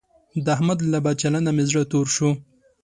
د احمد له بد چلنده مې زړه تور شو.